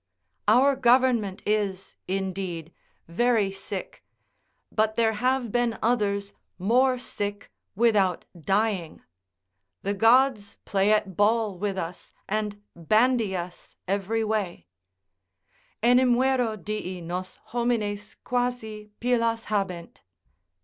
Our government is, indeed, very sick, but there have been others more sick without dying. The gods play at ball with us and bandy us every way: "Enimvero Dii nos homines quasi pilas habent."